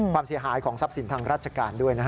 ความเสียหายของทรัพย์สินทางราชการด้วยนะฮะ